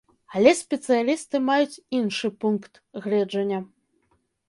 Але спецыялісты маюць іншы пункт гледжання.